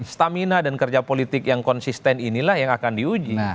stamina dan kerja politik yang konsisten inilah yang akan diuji